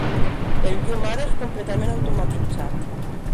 El llum ara és completament automatitzat.